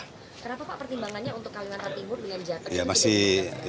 kenapa pak pertimbangannya untuk kalimantan timur dengan jateng